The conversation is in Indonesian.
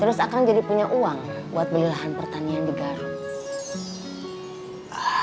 terus akan jadi punya uang buat beli lahan pertanian di garut